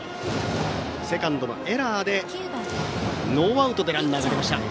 セカンドのエラーでノーアウトでランナーが出ました。